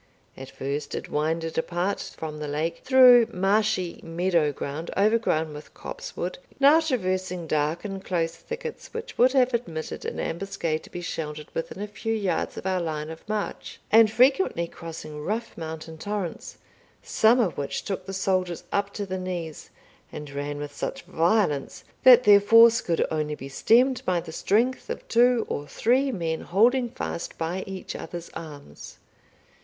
At first it winded apart from the lake through marshy meadow ground, overgrown with copsewood, now traversing dark and close thickets which would have admitted an ambuscade to be sheltered within a few yards of our line of march, and frequently crossing rough mountain torrents, some of which took the soldiers up to the knees, and ran with such violence, that their force could only be stemmed by the strength of two or three men holding fast by each other's arms.